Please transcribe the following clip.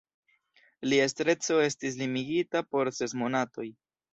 Lia estreco estis limigita por ses monatoj.